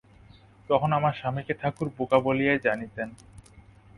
তখন আমার স্বামীকে ঠাকুর বোকা বলিয়াই জানিতেন।